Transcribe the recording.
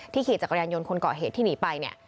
ขี่จักรยานยนต์คนเกาะเหตุที่หนีไปเนี่ย